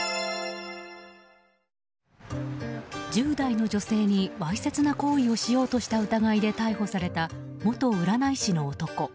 １０代の女性にわいせつな行為をしようとした疑いで逮捕された元占い師の男。